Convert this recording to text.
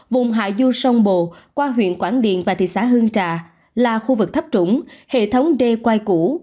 vùng hạ du sông bồ qua huyện quảng điện và thị xã hương trà là khu vực thấp trũng hệ thống đê quay cũ